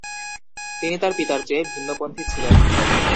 তিনি তার পিতার চেয়ে ভিন্নপন্থি ছিলেন।